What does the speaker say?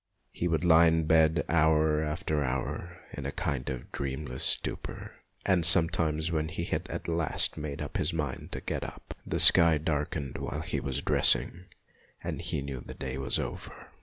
He would lie in bed hour after hour in a kind of dreamless stupor, and sometimes when he had at last made up his mind to get up, the sky darkened while he was dressing and he knew that the day was over.